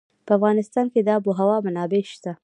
په افغانستان کې د آب وهوا منابع شته.